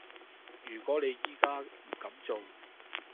如果你而家唔噉做